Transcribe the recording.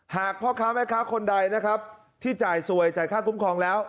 หากพ่อค้าแม่ค้าคนใดนะครับที่จ่ายสวยจ่ายค่าคุ้มครองแล้ว